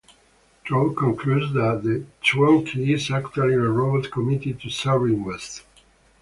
Trout concludes that the Twonky is actually a robot committed to serving West.